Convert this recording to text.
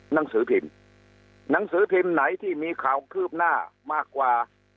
หนังสือพิมพ์หนังสือพิมพ์ไหนที่มีข่าวคืบหน้ามากกว่า